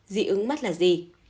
một dị ứng mắt là gì